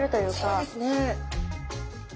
そうですね。